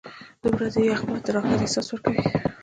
• د ورځې یخ باد د راحت احساس ورکوي.